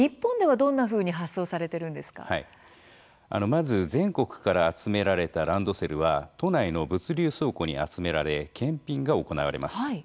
まず全国から集められたランドセルは都内の物流倉庫に集められ検品が行われます。